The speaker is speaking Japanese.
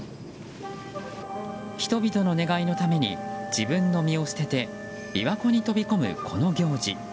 人々の願いのために自分の身を捨てて琵琶湖に飛び込む、この行事。